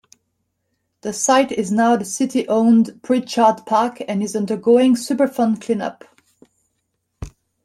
The site is now the city-owned Pritchard Park and is undergoing Superfund clean-up.